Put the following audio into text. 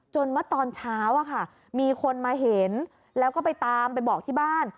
เมื่อตอนเช้ามีคนมาเห็นแล้วก็ไปตามไปบอกที่บ้าน